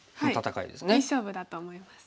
いい勝負だと思いますので。